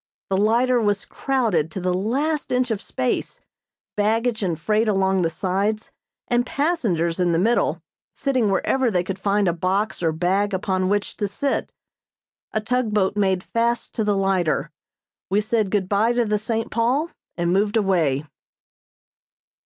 The lighter was crowded to the last inch of space; baggage and freight along the sides, and passengers in the middle, sitting wherever they could find a box or bag upon which to sit. A tug boat made fast to the lighter we said good bye to the "St. Paul" and moved away.